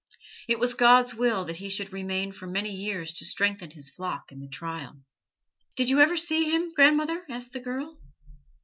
It was God's will that he should remain for many years to strengthen his flock in the trial." "Did you ever see him, grandmother?" asked the girl.